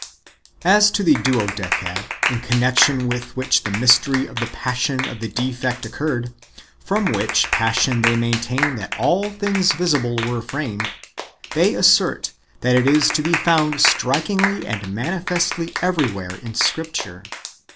As to the Duodecad, in connection with which the mystery of the passion of the defect occurred, from which passion they maintain that all things visible were framed, they assert that is to be found strikingly and manifestly everywhere [in Scripture].